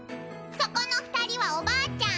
そこの二人はおばあちゃん